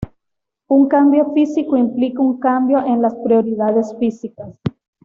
Un cambio físico implica un cambio en las propiedades físicas.